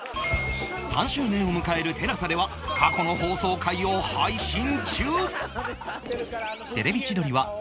３周年を迎える ＴＥＬＡＳＡ では過去の放送回を配信中